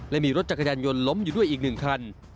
และมีรถจักรยานยนต์ล้มอยู่ด้วยอีก๑คัน